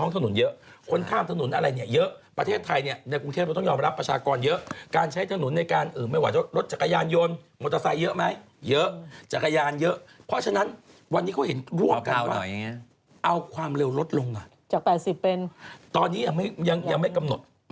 เพื่อป้องกับการอัตราเหตุส่วนรายละเอียด